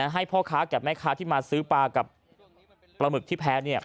ให้พ่อค้าแก่แม่ค้าที่มาซื้อปลากับปลาหมึกที่แพ้